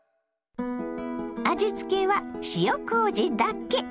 味付けは塩こうじだけ！